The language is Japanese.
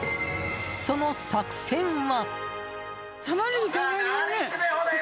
その作戦は。